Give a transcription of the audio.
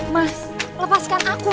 mas lepaskan aku mas